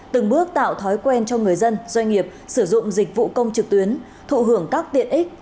từng bước tạo thói quen cho người dân doanh nghiệp sử dụng dịch vụ công trực tuyến thụ hưởng các tiện ích